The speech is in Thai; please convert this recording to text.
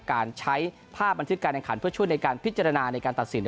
การใช้ภาพบันทึกการแข่งขันเพื่อช่วยในการพิจารณาในการตัดสิน